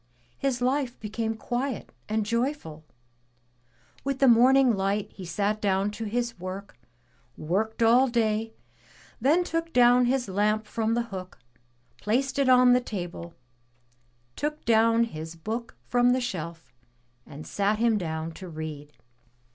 His life became quiet and joyful. With the morning light he sat down to his work, worked all day, then took down his lamp from the hook, placed it on the table, took down his Book from the shelf and sat him down to read.